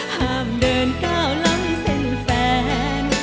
ห้ามเดินก้าวล้ำเส้นแฟน